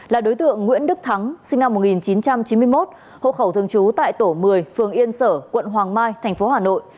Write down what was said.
là đối tượng nguyễn đức thắng sinh năm một nghìn chín trăm chín mươi một hộ khẩu thường trú tại tổ một mươi phường yên sở quận hoàng mai tp hà nội